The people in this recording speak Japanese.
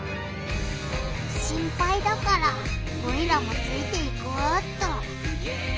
心ぱいだからオイラもついていこうっと。